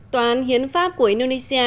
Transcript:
tòa án hiến pháp của indonesia